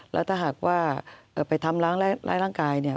แล้วถ้าหากว่าไปทำร้ายร่างกายเนี่ย